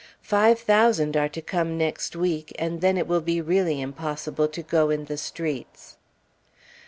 Five thousand are to come next week, and then it will really be impossible to go in the streets.